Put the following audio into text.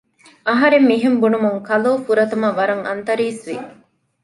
އަހަރެން މިހެން ބުނުމުން ކަލޯ ފުރަތަމަ ވަރަށް އަންތަރީސްވި